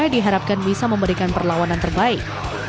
diharapkan bisa memberikan perlawanan terbaik